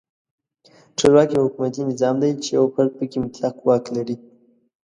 ټولواک یو حکومتي نظام دی چې یو فرد پکې مطلق واک لري.